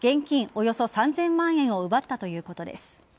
およそ３０００万円を奪ったということです。